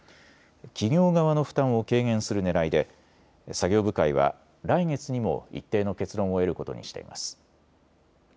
企業側の負担を軽減するねらいで作業部会は来月にも一定の結論を得ることにしています。